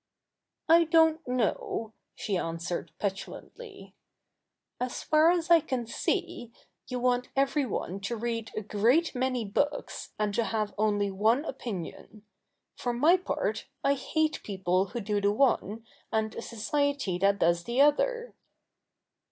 ' I don't know,' she answered petulantly. ' As far as I can see, you want everyone to read a great many books and to have only one opinion. For my part, I hate people who do the one, and a society that does the other.'